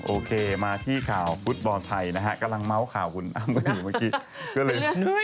โอเคมาที่ข่าวฟุตบอลไทยนะฮะกำลังเม้าท์ข่าวคุณอังกฤษเมื่อกี้